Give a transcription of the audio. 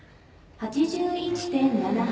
８１．７８。